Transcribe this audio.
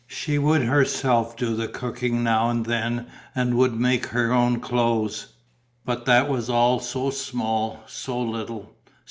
She would herself do the cooking now and then and would make her own clothes. But that was all so small, so little.